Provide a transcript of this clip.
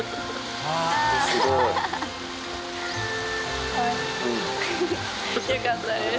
うん。よかったです。